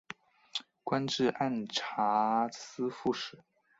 官至按察司副使。